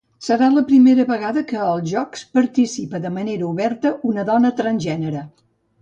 Serà la primera vegada que als jocs participa de manera oberta una dona transgènere.